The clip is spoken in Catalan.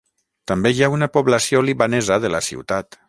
També hi ha una població libanesa de la ciutat.